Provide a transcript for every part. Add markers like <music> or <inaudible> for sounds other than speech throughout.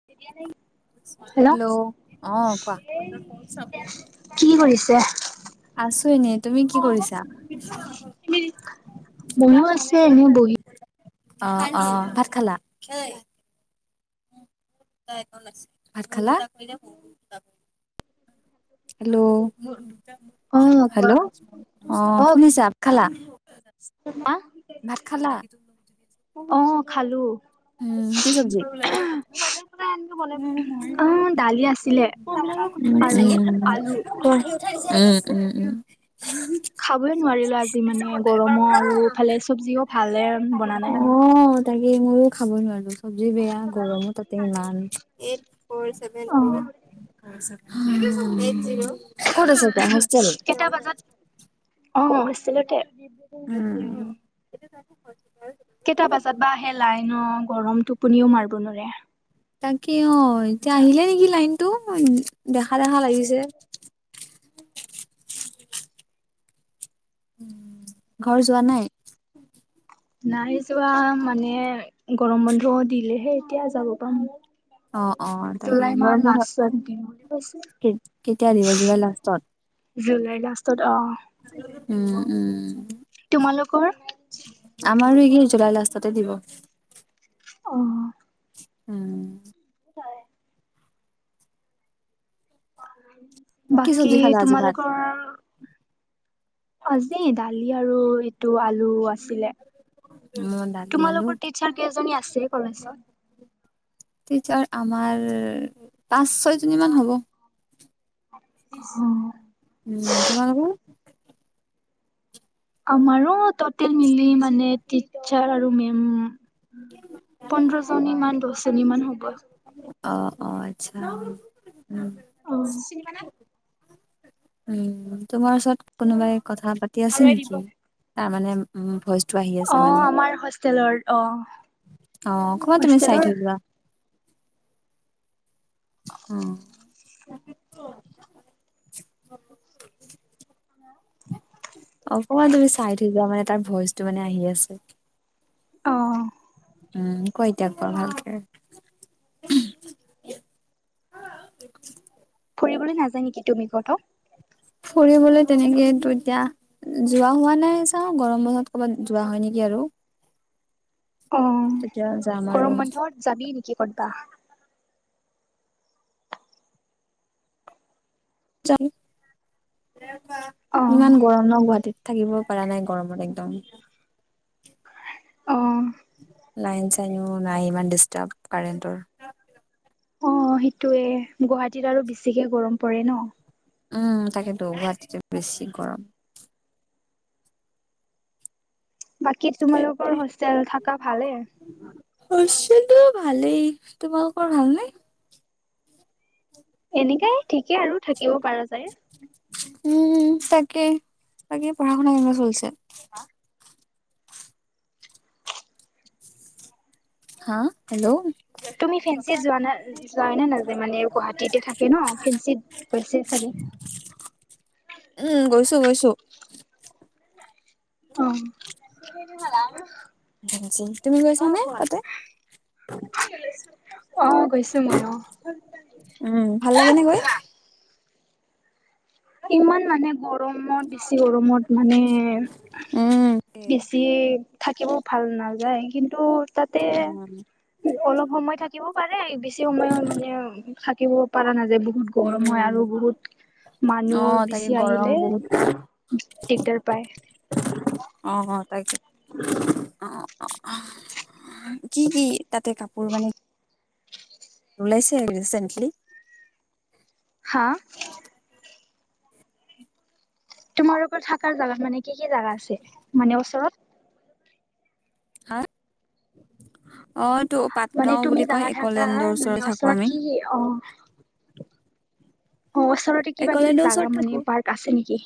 <unintelligible> Hello অ কোৱা hello কি কৰিছে আছো এনে তুমি কি কৰিছা বনাও আছে এনে বহি অ' অ' ভাত খালাঁ? ভাত খালাঁ? হেল্ল' অ কোৱা হেল্ল' অ' শুনিছা? ভাত খালা? ভাত খালা? অ' খালো উম কি চবজি উম উম অ দালি আছিলে কোৱা আৰু আলু উম উম উম খাবই নোৱাৰিলোঁ আজি মানে গৰমো আৰু ফালে চব্জিও ভালে বনা অ নাই তাকে মইয়ো খাব নোৱাৰো চবজি বেয়া গৰমো তাতে ইমান এইট ফৰ চেভেন অ টু এইট জিৰ কত আছে এতিয়া হোষ্টেল কেইটা বজাত অ অ হোষ্টেলতে উম কেইটা বজাত বা আহে লাইন অ গৰমটো টোপনিও মাৰিব নোৱাৰে তাকে অ এতিয়া আহিলে নিকি লাইনটো দেখা দেখা লাগিছে ঘৰ যোৱা নাই? নাই যোৱা মানে, গৰম বন্ধও দিলেহে এতিয়া যাব পাম। অ অ তাকে জুলাই গৰম মাহৰ বন্ধ লাষ্টত দিম বুলি কেতিয়া দিব কৈছে। জুলাই লাষ্টত জুলাই লাষ্টত অ'। উম, উম। তোমালোকৰ? আমাৰো একেই জুলাই লাষ্টতে দিব। অ'। উম। হয়। কি বাকী, চব্জি খালা আজি ভাত তোমালোকৰ আজি দালি আৰু এইটো আলু আছিলে। মই দালি আলু তোমালোকৰ টিচাৰ কেইজনী আছে কলেজত? টিচাৰ আমাৰ পাঁচ ছয়জনী মান হ'ব। উম। উম, তোমালোকৰ? আমাৰো টটেল মিলি মানে টিচাৰ আৰু মেম পোন্ধৰ জনী মান, দহ জনী মান হ'ব। অ', অ', আচ্ছা উম। অ', চিনি পালা? উম। তোমাৰ ওচৰত কোনোবাই কথা পাতি আছে নেকি? তাৰ মানে উম, ভইচ আহি অ আছে মানে। আমাৰ হোষ্টেলৰ অ অহ, অকমান তুমি হোষ্টেলৰ চাইড হৈ লোৱা। অ'। <inaudible> অকমান তুমি চাইড থৈ লোৱা মানে তাৰ ভইচটো মানে আহি আছে। অ'। উম, কোৱা এতিয়া কোৱা ভালকে। ফুৰিবলৈ নাযায় নেকি তুমি ক'তো? ফুৰিবলৈ তেনেকেইটো এতিয়া যোৱা হোৱা নাই চাওঁ গৰম বন্ধত ক'ৰবাত যোৱা হয়, নেকি আৰু! অ', তেতিয়া যাম আৰু গৰম বন্ধত যাবি নেকি ক'তবা? <unintelligible> অ ইমান গৰম ন' গুৱাহাটীত? থাকিব পৰা নাই গৰমত একদম। অ'। লাইন চাইনো নাই, ইমান ডিষ্টাৰ্ব কাৰেণ্টৰ। অ', সেইটোয়ে গুৱাহাটীত আৰু বেছিকে গৰম পৰে ন'! উম, তাকেতো গুৱাহাটীত বেছি গৰম। বাকী তাকে, তোমালোকৰ হোষ্টেল থকা ভালে? হোষ্টেলটো ভালেই, তোমালোকৰ ভালনে? এনেকাই ঠিকে আৰু থাকিব পাৰা যায়। উম, তাকে। বাকী পঢ়া শুনা কেনেকুৱা চলিছে? হেল্লৌ'! তুমি ফেনশ্বি যোৱা নে? যাই নে নেযায় মানে গুৱাহাটীতে থাকে ন' ফেঞ্চিত গৈছে চাগে! উম, গৈছোঁ, গৈছোঁ। অ <unintelligible> তুমি গৈছা নে তাতে অ গৈছো মইয়ো উম ভাল লাগে নে গৈ ইমান মানে গৰমত দিছে গৰমত মানে উম। বেছিয়ে থাকিব ভাল নাযায় কিন্তু তাতে উম। অলপ সময় থাকিবও পাৰে বেছি সময় মানে থাকিব পাৰা নাযায় বহুত গৰম হয় উম, আৰু বহুত অ মানুহ তাকে বেছি আহিলে গৰম বহুত দিগদাৰ পায় অ অ তাকে অ কি কি তাতে কাপোৰ মানে ওলাইছে আৰু ৰিচেন্টলি হা তোমাৰোকৰ থাকা জাগাত মানে কি কি জাগা আছে মানে ওচৰত হা অ এটো মানে পাতগাও তুমি বুলি কয় জাগা থাকা একলেণ্ডৰ মানে ওচৰ থাকো ওচৰত আমি কি কি অ অ ওচৰতে কিবা কিবি একলেণ্ডৰ ওচৰত জাগা থাকো মানে পাৰ্ক আছে নিকি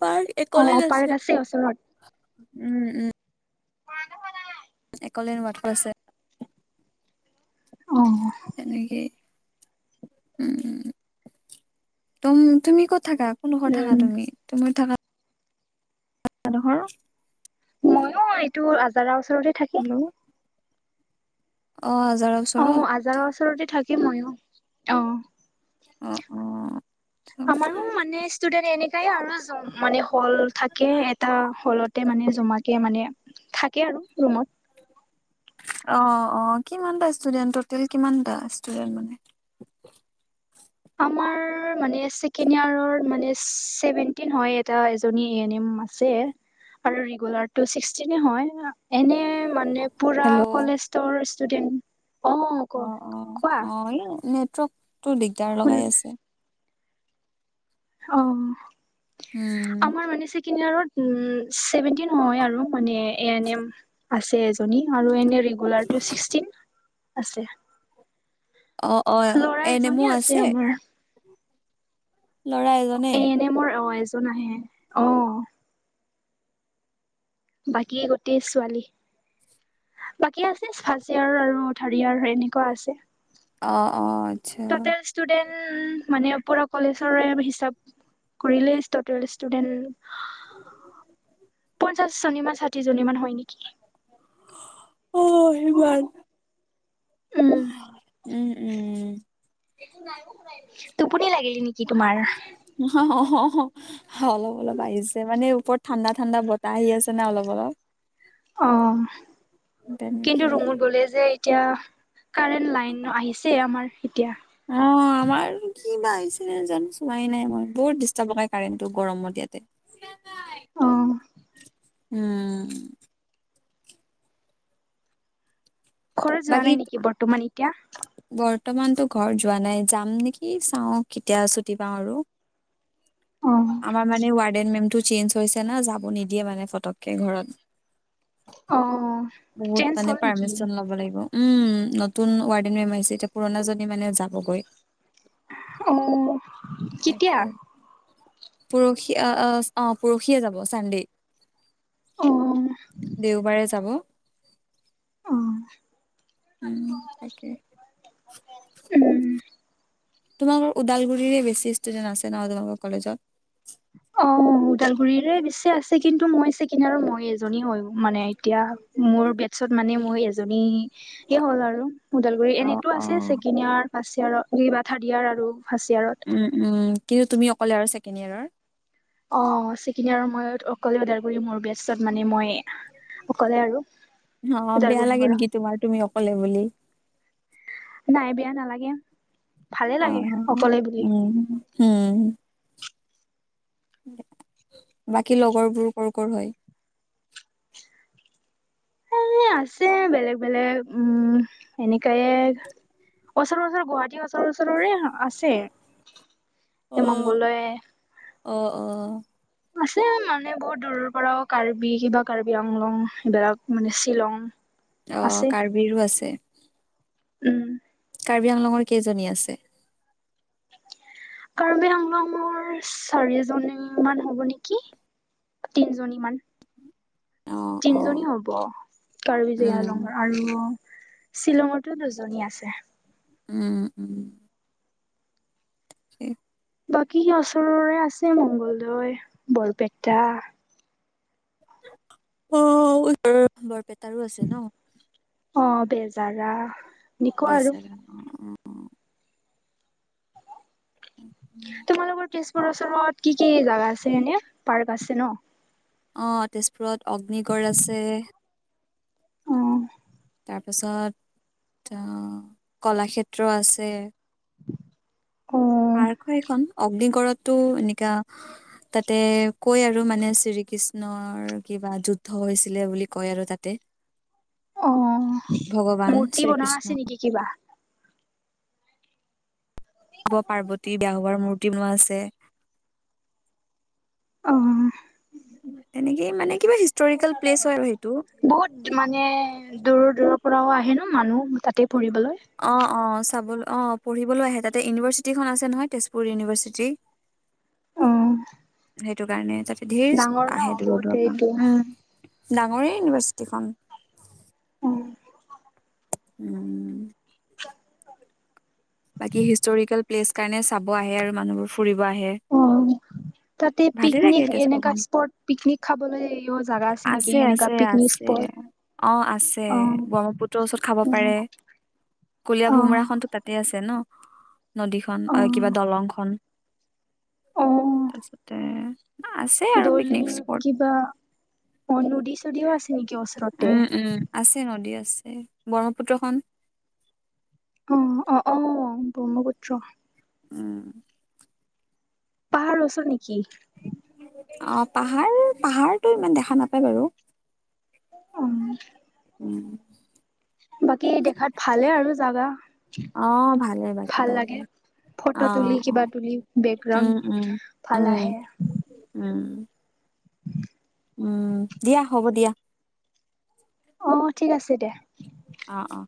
পাৰ্ক অ একলেণ্ড পাৰ্ক আছে ওচৰত উম উম একলেন ওৱাকটো আছে অ এনেকে উম উম তুম তুমি ক'ত থাকা কোন ডখত থাকা উম তুমি তুমি থাকাত গা ডখৰ মইয়ো এইটো আজাৰা ওচৰৰে হেল্লৌ' অ আজাৰা অ আজাৰৰ ওচৰতে থাকিম ময়ো অ অ' অ'। আমাৰো মানে ষ্টুডেন্ট এনেকাই আৰু মানে হল থাকে এটা হলতে মানে জমাকে মানে থাকে আৰু ৰুমত অ অ কিমানটা ষ্টুডেন্ট টোটেল কিমানটা ষ্টুডেণ্ট মানে আমাৰ মানে ছেকেণ্ড ইয়াৰ মানে চেভেনটিন হয় এটা এজনী এন এম আছে আৰু ৰেগুলাৰটো চিক্সটিনে হয় এনে মানে পুৰা হেল্ল' অ কলেস্তৰ ষ্টুডেন্ট অ ক অ অ কোৱা অ এই নেটৱৰ্কটো দিগদাৰ শুন লগাই আছে অ উম আমাৰ মান ছেকেণ্ড ইয়াৰত উম ছেভেনটিন হয় আৰু মানে এ এন এম আছে এজনী আৰু এনে ৰেগুলাৰ টো চিক্সটিন আছে অ অ লৰা এজনী আছে আমাৰ ল'ৰা এজনে এ এন এমৰ অ এজন আহে অ বাকী গোটেই ছোৱালী বাকী আছে চাষ্ট ইয়াৰৰ আৰু ঠাৰিয়াৰ এনেকুৱা আছে অ অ আচ্ছা ষ্টুডেণ্ট মানে পুৰা কলেজৰে হিচাপ কৰিলে ষ্টুটেল ষ্টুডেণ্ট <unintelligible> পঞ্চাশজনীমান, ষাঠিজনীমান হয় নেকি। অ', সিমান। উম উম উম। টোপনি লাগিলে নেকি তোমাৰ? অ' অলপ অলপ আহিছে, মানে ওপৰত ঠাণ্ডা ঠাণ্ডা বতাহ আহি আছে না অলপ অলপ। অ', তেনেকে কিন্তু ৰুমত গ'লে যে এতিয়া, কাৰেণ্ট লাইন-আহিছে আমাৰ এতিয়া। অ আমাৰ কি বা আহিছিলে জানো চোৱাই নাই মই, বহুত ডিষ্টাৰ্ব লগাই কাৰেণ্টটো গৰমত ইয়াতে। অ'। উম। ঘৰ যোৱা নাই বাকী নেকি বৰ্তমান এতিয়া? বৰ্তমানতো ঘৰ যোৱা নাই, যাম নেকি চাওঁ কেতিয়া ছুটি পাওঁ আৰু। অ আমাৰ মানে ৱাৰডেন মেমটো চেঞ্জ হৈছে না, যাব নিদিয়ে মানে ফটককে ঘৰত। অ চেঞ্জ বহুত হ'ল মানে নেকি পাৰ্মিচন ল'ব লাগিব। উম, নতুন ৱাৰডেন মেম আহিছে, এতিয়া পুৰণাজনী মানে যাবগৈ। অ', কেতিয়া? পৰশি আ-আ, অ' পৰশিয়ে যাব, চানডে। অ'। দেওবাৰে যাব। অ', উম তাকে উম। তোমালোকৰ ওদালগুৰিৰে বেছি ষ্টুডেণ্ট আছে ন, তোমালোকৰ কলেজত? অ', ওদালগুৰিৰে বেছি আছে, কিন্তু মই চেকেণ্ড ইয়েৰৰ মই এজনী হয়, মানে এতিয়া মোৰ বেটছত মানে মই এজনী সেয়ে হ'ল আৰু ওদালগুৰি, অ এন এইটো অ আছে চেকেণ্ডইয়াৰ ফাৰ্ষ্ট ইয়েৰত <unintelligible> থাৰ্ড ইয়েৰ আৰু ফাৰ্ষ্ট ইয়েৰত। উম উম, কিন্তু তুমি অকলে আৰু ছেকেণ্ড ইয়াৰৰ? অ', চেকেণ্ড ইয়াৰৰ আৰু মই অকলে ওদালগুৰি মোৰ বেট পিছত মানে মই অকলে আৰু অ বেয়া ওদালগুৰিৰ লাগে পৰা। নেকি তোমাৰ তুমি অকলে বুলি নাই বেয়া নালাগে ভালে লাগে অ', অকলে বুলি। উম, উম। বাকী লগৰবোৰ ক'ৰ ক'ৰ হয়? এ আছে বেলেগ বেলেগ, উম, এনেকাইয়ে ওচৰৰ-ওচৰৰ গুৱাহাটী ওচৰ-ওচৰৰে আছে, অ মংগলদৈ অ' অ'। আছে মানে বহুত দূৰৰ পৰাও, কাৰ্বি কিবা কাৰ্বি আংলং, এইবিলাক মানে শ্বিলং অ', আছে কাৰ্বিৰো আছে? উম। কাৰ্বি আংলঙৰ কেইজনী আছে? কাৰ্বি-আংলঙৰ চাৰিজনী মান হ'ব নেকি। তিনিজনীমান অ অ তিনিজনী হ'ব কাৰ্বি উম যে-আংলঙৰ। আৰু শ্বিলঙৰতো দুজনী আছে। উম উম। <inaudible> বাকী ওচৰৰে আছে মংগলদৈ, বৰপেটা। অ', <unintelligible> বৰপেটাৰো আছে ন? অ', বেজাৰা এনেকুৱা আৰু। বেচেৰা অ <inaudible> তোমালোকৰ তেজপুৰৰ ওচৰত কি, কি জাগা আছে এনে পাৰ্ক আছে ন'? অ', তেজপুৰত অগ্নিগড় আছে। অ', তাৰপাছত অ', কলাক্ষেত্ৰ আছে। <inaudible> কেইখন, অগ্নিগড়তটো এনেকা তাতে কয় আৰু মানে শ্ৰীকৃষ্ণৰ কিবা যুদ্ধ হৈছিলে বুলি, কয় আৰু তাতে। অ', ভগৱান মূৰ্তি বনোৱা শ্ৰীকৃষ্ণ আছে কিবা? শিৱ-পাৰ্বতী <unintelligible> মূৰ্তি বনোৱা আছে। উম। এনেকেই মানে কিবা হিষ্টৰিকেল প্লেচ হয়, আৰু সেইটো। বহুত মানে দূৰৰ, দূৰৰ পৰাও আহে ন' মানুহ তাতে ফুৰিবলৈ? অ', অ', চাবলৈ অ', পঢ়িবলৈ আহে তাতে ইউনিভাৰ্চিটি এখন আছে নহয়, তেজপুৰ ইউনিভাৰ্চিটি। উম। সেইটো কাৰণে, তাতে ঢেৰ ষ্ট আহে দূৰ দূৰৰ পা। এইটো উম, ডাঙৰেই ইউনিভাৰ্চিটিখন। উম। <inaudible> বাকী হিষ্টৰিকেল প্লেচ কাৰণে, চাব আহে আৰু মানুহবোৰ ফুৰিব আহে। অ'। তাতে ভালে লাগে পিকনিক এনেকা তেজপুৰখন স্পট, পিকনিক খাবলৈও জাগা আছে নেকি, এনেকা আছে পিকনিক আছে স্পট? অ', আছে। অ', ব্ৰহ্মপুত্ৰৰ ওচৰত খাব পাৰে। কলিয়া ভোমোৰা অ', খনতো তাতে আছে ন' নদীখন অ', কিবা দলংখন। তাৰপিছতে আছে আৰু দলিং পিকনিক স্পট কিবা অ', নদী চদীও আছে। নেকি ওচৰতে? উম, উম, আছে নদী আছে, ব্ৰহ্মপুত্ৰখন অ', অ', ব্ৰহ্মপুত্ৰখন। উম। পাহাৰ ওচৰ নেকি? অ', পাহাৰ, পাহাৰটো ইমান দেখা নেপায় বাৰু। অ'। উম। বাকী, দেখাত ভালে আৰু জাগা! অ', ভালেই বাকী ভাল লাগে। ভালেই। ফটো তুলি, কিবা তুলি উম বেকগ্ৰাউণ্ড উম ভাল উম আহে। উম। উম, দিয়া হ'ব দিয়া। অ', ঠিক আছে দিয়া। অ', অ'।